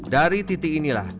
dari titik inilah